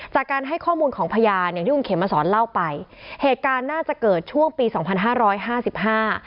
จากการให้ข้อมูลของพยานอย่างที่คุณเขมมาสอนเล่าไปเหตุการณ์น่าจะเกิดช่วงปีสองพันห้าร้อยห้าสิบห้า